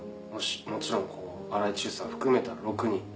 もちろんこう荒井注さん含めた６人。